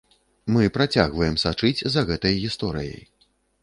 Мы працягваем сачыць за гэтай гісторыяй.